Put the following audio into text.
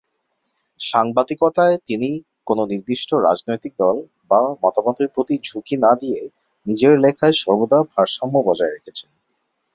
সাংবাদিকতায় তিনি কোনও নির্দিষ্ট রাজনৈতিক দল বা মতামতের প্রতি ঝুঁকি না দিয়ে নিজের লেখায় সর্বদা ভারসাম্য বজায় রেখেছেন।